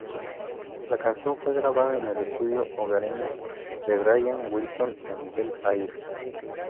La canción fue grabada en el estudio hogareño de Brian Wilson en Bel Air.